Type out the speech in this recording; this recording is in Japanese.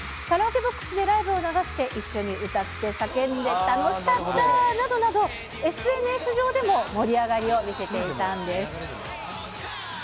カラオケボックスでライブを流して、一緒に歌って叫んで楽しかったなどなど、ＳＮＳ上でも盛り上がりを見せていたんです。